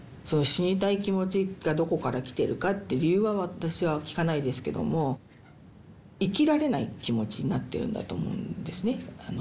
その死にたい気持ちがどこから来てるかって理由は私は聞かないですけども生きられない気持ちになってるんだと思うんですね。